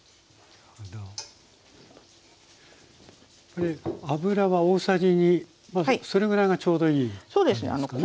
これ油は大さじ２それぐらいがちょうどいい感じですか？